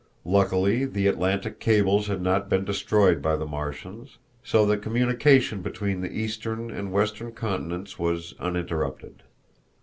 Luckily the Atlantic cables had not been destroyed by the Martians, so that communication between the Eastern and Western continents was uninterrupted.